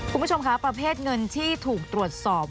คุณผู้ชมคะประเภทเงินที่ถูกตรวจสอบ